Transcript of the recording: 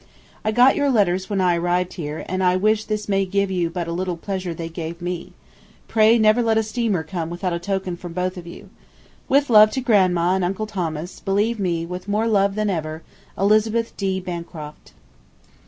I got your letters when I arrived here, and I wish this may give you but a little pleasure they gave me. Pray never let a steamer come without a token from both of you ... With love to Grandma and Uncle Thomas, believe me, with more love than ever before, ELIZABETH D. BANCROFT.